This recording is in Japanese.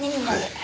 はい。